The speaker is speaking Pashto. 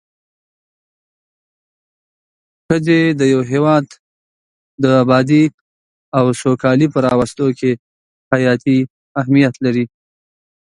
ښځی د يو هيواد د ابادي او سوکالي په راوستو کي حياتي اهميت لري